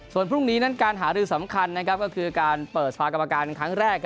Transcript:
ส่วนพรุ่งนี้นั้นการหารือสำคัญก็คือการเปิดสภากรรมการครั้งแรก